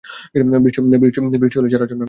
বৃষ্টি হলেই, চারা জন্মায়।